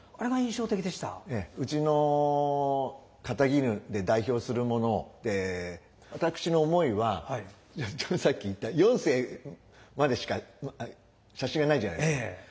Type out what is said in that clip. うちの肩衣で代表するもので私の思いはさっき言った四世までしか写真がないじゃないですか。